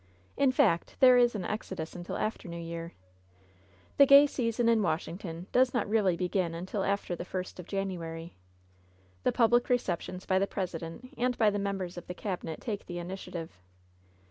In fact, there is an exodus until after New Year. The gay season in Washington does not really begin imtil after the first of January. The public receptions by the President and by the members of the cabinet take the initiative.